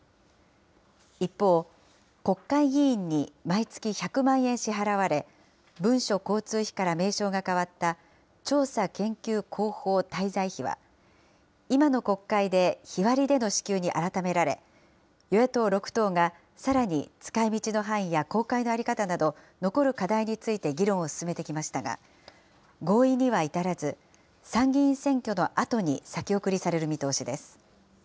一方、国会議員に毎月１００万円支払われ、文書交通費から名称が変わった、調査研究広報滞在費は、今の国会で日割りでの支給に改められ、与野党６党が、さらに使いみちの範囲や公開の在り方など、残る課題について議論を進めてきましたが、合意には至らず、参議院選挙のあとに先送りされる見通しです。